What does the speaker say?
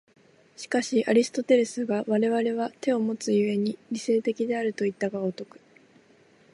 しかしアリストテレスが我々は手をもつ故に理性的であるといった如く